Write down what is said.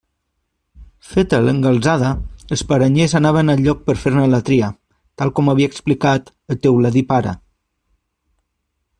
Feta l'engalzada els paranyers anaven al lloc per fer-ne la tria, tal com havia explicat el teuladí pare.